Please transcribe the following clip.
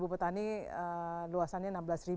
enam ribu petani luasannya enam belas ribu